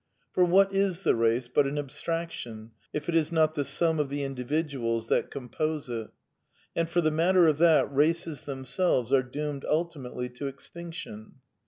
Eor what is the Race but an ab straction, if it is not the sum of the individuals that com pose it ? And for the matter of that^ races themselves are doomed ultimately to extinction.